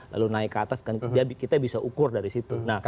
lalu naik ke atas dan kita bisa ukur dari situ